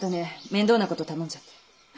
面倒な事頼んじゃって。